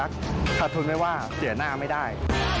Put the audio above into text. ขาดทุนไว้ว่าเสียหน้าไม่ได้